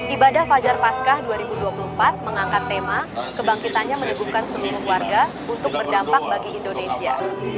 ibadah fajar paskah dua ribu dua puluh empat mengangkat tema kebangkitannya menyuguhkan seluruh warga untuk berdampak bagi indonesia